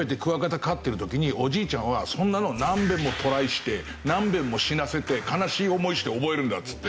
飼ってる時におじいちゃんは「そんなの何遍もトライして何遍も死なせて悲しい思いして覚えるんだ」っつって。